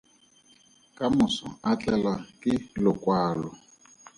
Ka moso a tlelwa ke lokwalo.